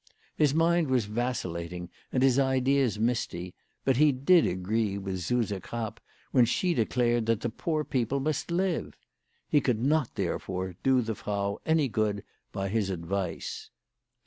His mind was vacillating and his ideas misty ; but he did agree with Suse Krapp when she declared that the poor people must live. He could not, therefore, do the Frau any good by his advice.